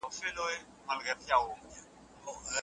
حنفي فقه د ذمي د ژوند ساتنه کوي.